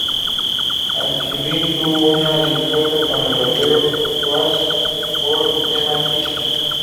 Alchemist tuvo una disputa con el rapero Ras Kass por el tema "Kiss U".